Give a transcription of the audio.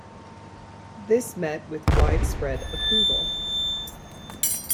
This met with widespread approval.